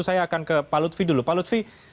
saya akan ke pak lutfi dulu pak lutfi